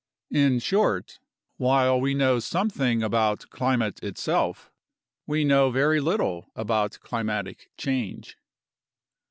In short, while we know something about climate itself, we know very little about climatic change.